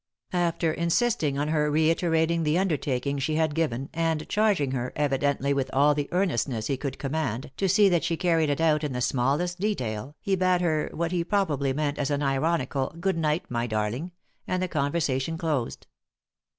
After insisting on her reiterating the undertaking she had given, and charging her, evidently with all the earnestness he could command, to see that she carried it out in the smallest detail, he bade her what he prob ably meant as an ironical " Good night, my darling 1 " and the conversation closed.